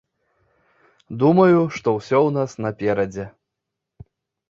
Думаю, што ўсё ў нас наперадзе.